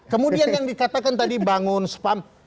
kemudian yang dikatakan tadi bangun spam